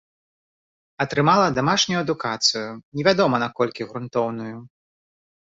Атрымала дамашнюю адукацыю, невядома наколькі грунтоўную.